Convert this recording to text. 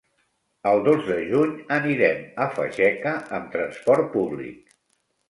El dos de juny anirem a Fageca amb transport públic.